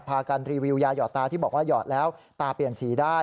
พากันรีวิวยาหอดตาที่บอกว่าหยอดแล้วตาเปลี่ยนสีได้